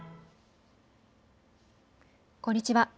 こんにちは。